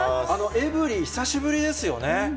エブリィ、お久しぶりです。